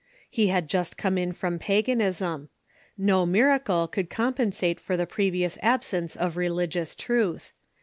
lie had just come in from paganism. No miracle could compensate for the jjrevious absence of religious truth.